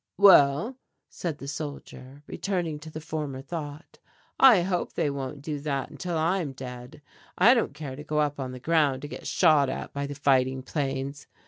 "Well," said the soldier, returning to the former thought, "I hope they won't do that until I am dead. I don't care to go up on the ground to get shot at by the fighting planes.